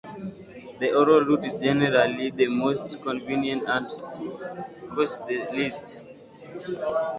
The oral route is generally the most convenient and costs the least.